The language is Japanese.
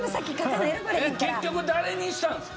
結局誰にしたんですか？